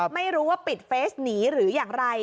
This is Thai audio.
ไม่รู้ว่าปิดเฟสหนีหรืออย่างไร